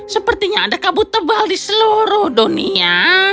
sepertinya ada kabut tebal di seluruh dunia